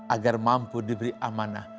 agar mampu diberi amanah